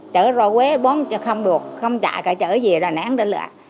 chở rò quế bố không được không trả cái chở gì là nén ra lại